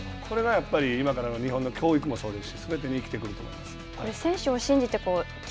これがやっぱり今からの日本の教育もそうですし、すべてに生きてくると思います。